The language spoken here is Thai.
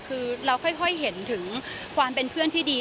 คือเราค่อยเห็นถึงความเป็นเพื่อนที่ดี